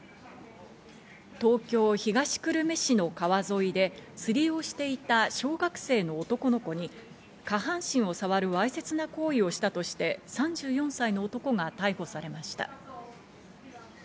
東京・東久留米市の川沿いで、釣りしていた小学生の男の子に下半身を触るわいせつな行為をしたとして３４歳の男が逮捕されました。